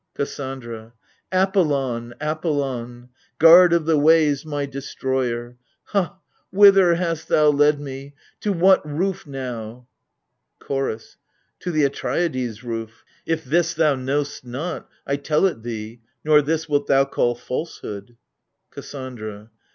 88 AGAMEMNON. KASSANDRA. Apollon, Apollon, Guard of the ways, my destroyer ! Ha, whither hast thou led me? to what roof now? CHOROS. To the Atreidai's roof: if this thou know'st not, I tell it thee, nor this wilt thou call falsehood. KASSANDRA.